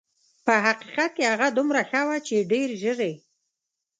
په حقیقت کې هغه دومره ښه وه چې ډېر ژر یې.